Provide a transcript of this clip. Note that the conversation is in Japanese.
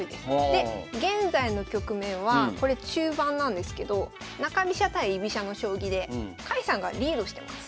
で現在の局面はこれ中盤なんですけど中飛車対居飛車の将棋で甲斐さんがリードしてます。